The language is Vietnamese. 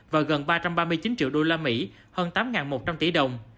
và gần ba trăm ba mươi chín triệu đô la mỹ hơn tám một trăm linh tỷ đồng